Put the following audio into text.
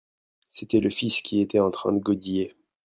C'était le fils qui était en train de godiller.